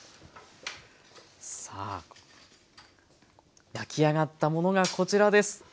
さあ焼き上がったものがこちらです。